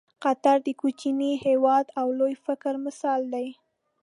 قطر د کوچني هېواد او لوی فکر مثال دی.